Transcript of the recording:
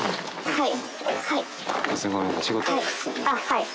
はい。